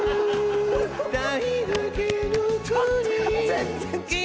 ・全然違う。